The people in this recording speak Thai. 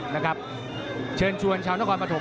นะครับเชิญชวนชาวนครปฐม